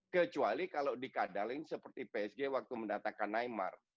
kecuali kalau di kadaling seperti psg waktu mendatakan neymar